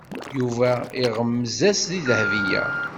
Yuba iɣemmez-as i Dahbiya.